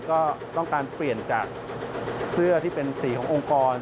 ก็ต้องการเปลี่ยนจากเสื้อที่เป็นสีขององค์กร